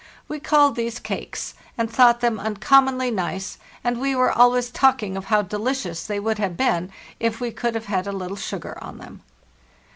We called these cakes, and thought them uncom monly nice, and we were always talking of how delicious they would have been if we could have had a little sugar on them.